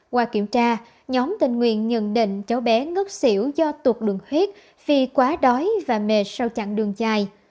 qua kiểm tra nhóm tình nguyện nhận định cháu bé ngất xỉu do tụt đường huyết vì quá đói và mệt sau chặn đường dài